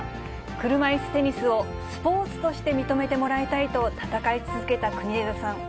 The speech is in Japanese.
車いすテニスをスポーツとして認めてもらいたいと戦い続けた国枝さん。